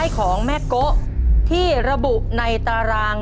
ผมน่าจะต้อง